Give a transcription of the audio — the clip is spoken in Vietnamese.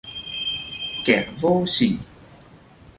kẻ vô sỉ